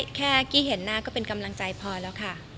แค่กี้เห็นหน้าก็เป็นกำลังใจพอแล้วค่ะ